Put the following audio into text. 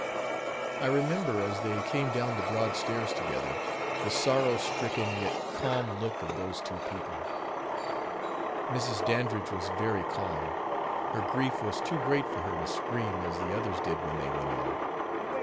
I remember, as they came down the broad stairs together, the sorrow stricken yet calm look of those two people. Mrs. Dandridge was very calm her grief was too great for her to scream as the others did when they went in.